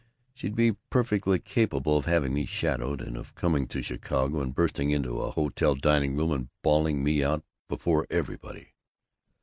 She'd be perfectly capable of having me shadowed, and of coming to Chicago and busting into a hotel dining room and bawling me out before everybody."